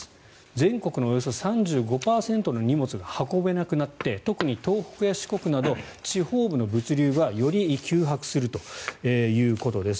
全国のおよそ３５％の荷物が運べなくなって特に東北や四国など地方部の物流はより窮迫するということです。